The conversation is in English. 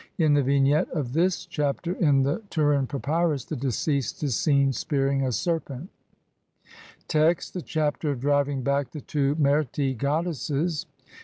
50) ; in the vignette of this Chapter in the Turin Papyrus the deceased is seen spearing a serpent (Lepsius, op. cit., Bl. 17). Text : (1) The Chapter of driving back the two Merti GODDESSES.